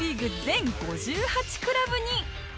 全５８クラブに！